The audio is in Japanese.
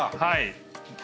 はい。